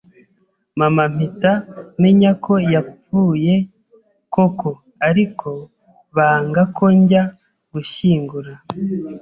mama mpita menya ko yapfuye koko ariko banga ko njya gushyingura